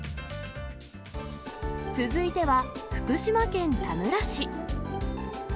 続いては、福島県田村市。